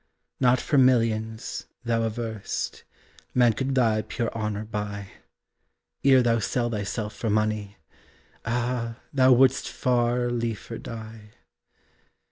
Not for millions, thou averrest, Man could thy pure honor buy, Ere thou sell thyself for money Ah, thou wouldst far liefer die.